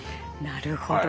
なるほど。